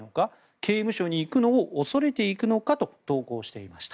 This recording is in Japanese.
刑務所に行くのを恐れているのかと投稿していました。